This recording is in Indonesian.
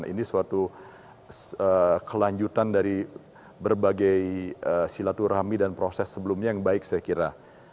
ini suatu kelanjutan dari berbagai silaturahmi dan proses sebelumnya yang baik saya kira